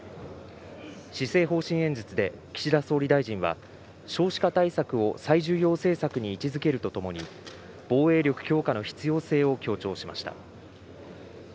施政方針演説で岸田総理大臣は、少子化対策を最重要政策に位置づけるとともに、防衛力強化の必要性を強調しました。